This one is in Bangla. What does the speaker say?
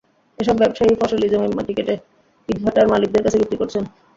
এসব ব্যবসায়ী ফসলি জমির মাটি কেটে ইটভাটার মালিকদের কাছে বিক্রি করছেন।